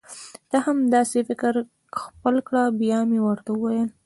ته هم دا سي فکر خپل کړه بیا مي ورته وویل: